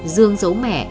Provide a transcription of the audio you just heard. dương giấu mẹ